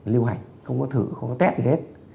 lưu hành không có thử không có test gì hết